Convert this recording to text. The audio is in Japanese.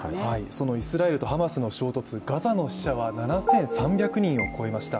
そのイスラエルとハマスの衝突、ガザの死者は７３００人を超えました。